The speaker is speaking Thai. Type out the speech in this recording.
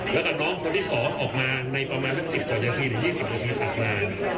แล้วก็น้องคนที่สองออกมาในประมาณ๑๐๒๐นถัดมา